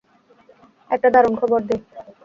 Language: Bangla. একটা দারুণ খবর দেই!